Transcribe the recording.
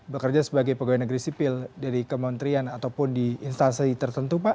bekerja sebagai pegawai negeri sipil dari kementerian ataupun di instansi tertentu pak